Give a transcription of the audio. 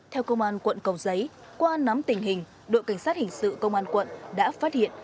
theo công an quận cầu giấy qua nắm tình hình đội cảnh sát hình sự công an quận đã phát hiện